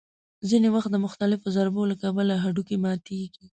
ځینې وخت د مختلفو ضربو له کبله هډوکي ماتېږي.